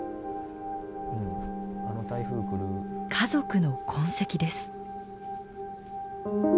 家族の痕跡です。